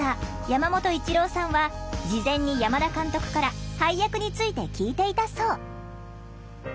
山本一郎さんは事前に山田監督から配役について聞いていたそう。